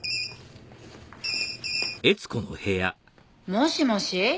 もしもし？